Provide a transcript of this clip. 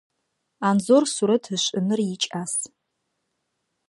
Анзор сурэт ышӏыныр икӏас.